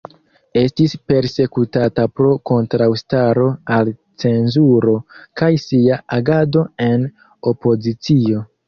Estis persekutata pro kontraŭstaro al cenzuro kaj sia agado en opozicio.